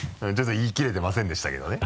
言い切れてませんでしたけどね。